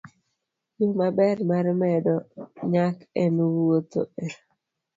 Yo maber mar medo nyak en wuotho e